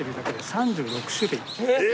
３６種類？